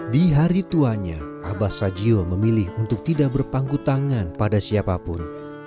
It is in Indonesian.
di hari tuanya abah sajio memilih untuk tidak berpangku tangan pada siapapun